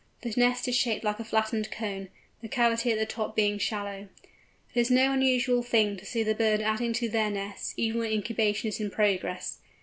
The nest is shaped like a flattened cone, the cavity at the top being shallow. It is no unusual thing to see the birds adding to their nests, even when incubation is in progress.